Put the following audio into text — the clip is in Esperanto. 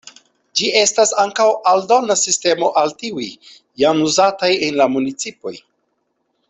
Ĝi estas ankaŭ aldona sistemo al tiuj jam uzataj en la municipoj.